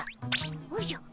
おじゃ。